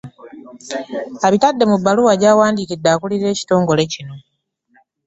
Abitadde mu bbaluwa gy'awandiikidde akulira ekitongole kino